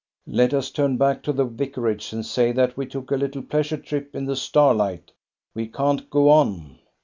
" Let us turn back to the vicarage and say that we took a little pleasure trip in the starlight. We can't go on."